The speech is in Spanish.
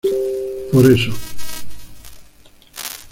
Por eso